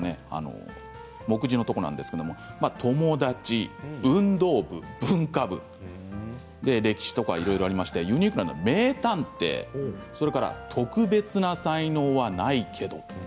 目次のところなんですけれど友達ですとか運動部、文化部歴史とかいろいろありましてユニークなのは名探偵それから、特別な才能はないけど。